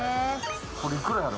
これいくらやろ？